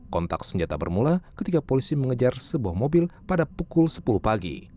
kontak senjata bermula ketika polisi mengejar sebuah mobil pada pukul sepuluh pagi